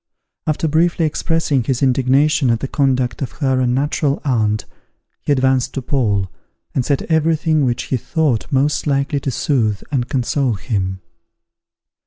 After briefly expressing his indignation at the conduct of her unnatural aunt, he advanced to Paul, and said every thing which he thought most likely to soothe and console him.